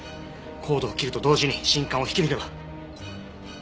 コードを切ると同時に信管を引き抜けば。